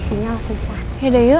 sinyal susah ya udah yuk ya udah yuk oke